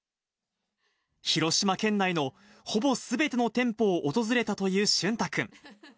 広島県内のほぼすべての店舗を訪れたという俊太君。